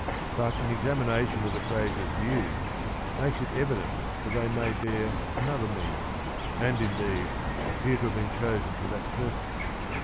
But an examina tion of the phrases used makes it evident that they may bear another meaning, and, indeed, appear to have been chosen for that purpose.